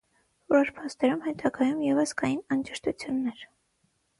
Որոշ փաստերում հետագայում ևս կային անճշտություններ։